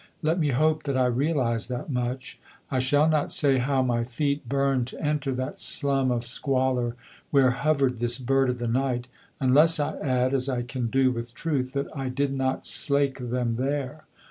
Let me hope that I realised that much. I shall not say how my feet burned to enter that slum of squalor where hovered this bird of the night, unless I add, as I can do with truth, that I did not slake them there.